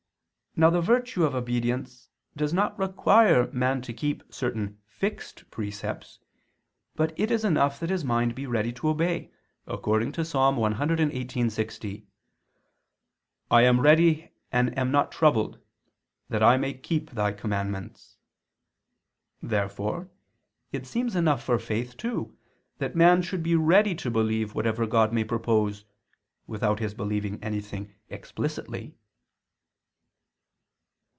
Now the virtue of obedience does not require man to keep certain fixed precepts, but it is enough that his mind be ready to obey, according to Ps. 118:60: "I am ready and am not troubled; that I may keep Thy commandments." Therefore it seems enough for faith, too, that man should be ready to believe whatever God may propose, without his believing anything explicitly.